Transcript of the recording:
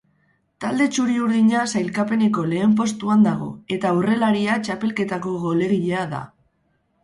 Talde txuri-urdina sailkapeneko lehen postuan dago eta aurrelaria txapelketako golegilea da.